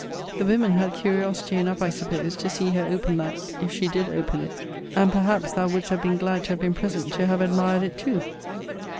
The women had curiosity enough, I suppose, to see her open that, if she did open it. And, perhaps, thou wouldst have been glad to have been present to have admired it too!